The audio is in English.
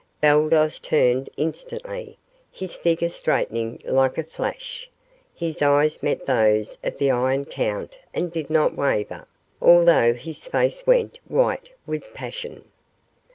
Baldos turned instantly, his figure straightening like a flash. His eyes met those of the Iron Count and did not waver, although his face went white with passion.